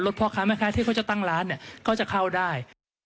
พ่อค้าแม่ค้าที่เขาจะตั้งร้านเนี่ยเขาจะเข้าได้